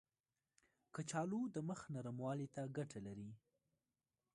کچالو د مخ نرموالي ته ګټه لري.